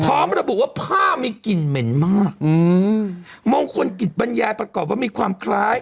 พร้อมระบุว่าผ้ามีกลิ่นเหม็นมากอืมมงคลกิจบรรยายประกอบว่ามีความคล้าย